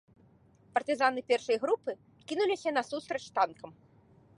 Партызаны першай групы кінуліся насустрач танкам.